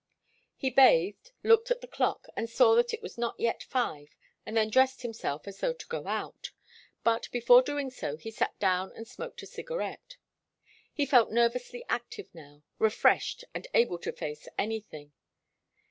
He bathed, looked at the clock, and saw that it was not yet five, and then dressed himself as though to go out. But, before doing so, he sat down and smoked a cigarette. He felt nervously active now, refreshed and able to face anything.